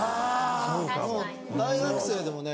もう大学生でもね